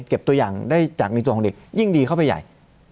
ตัวอย่างได้จากในตัวของเด็กยิ่งดีเข้าไปใหญ่